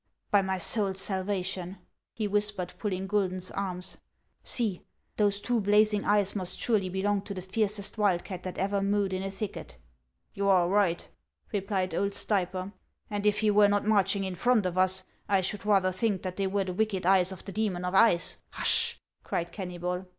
" By my soul's salvation !" he whispered, pulling Gui don's arm, " see ; those two blazing eyes must surely be long to the fiercest wildcat that ever mewed in a thicket." " You are right," replied old Stayper ;" and if he were not marching in front of us, I should rather think that they were the wicked eyes of the demon of Ice —" "Hush!" cried Kennybol.